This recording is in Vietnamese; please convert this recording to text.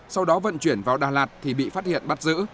sau đó vận chuyển vào đà lạt thì bị phát hiện bắt giữ